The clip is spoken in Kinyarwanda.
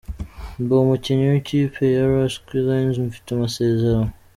Ndi umukinnyi w’ikipe ya Rask Linz mfite amasezerano.